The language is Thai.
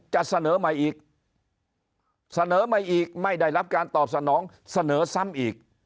จะเสนอใหม่อีกเสนอมาอีกไม่ได้รับการตอบสนองเสนอซ้ำอีก